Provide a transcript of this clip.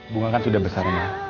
bunga kan sudah besar